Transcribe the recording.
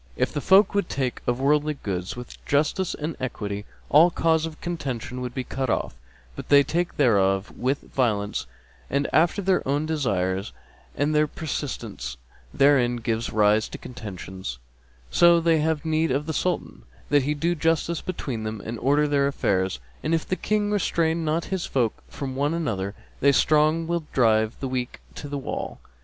If folk would take of worldly goods with justice and equity, all cause of contention would be cut off; but they take thereof with violence ant after their own desires, and their persistence therein giveth rise to contentions; so they have need of the Sultan, that he do justice between them; and order their affairs; and, if the King restrain not his folk from one another, the strong will drive the weak to the wall.